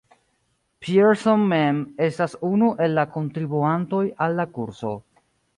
Peterson mem estas unu el la kontribuantoj al la kurso.